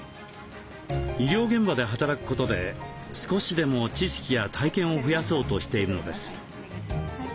医療現場で働くことで少しでも知識や体験を増やそうとしているのです。